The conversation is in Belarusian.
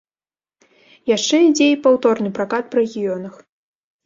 Яшчэ ідзе і паўторны пракат па рэгіёнах.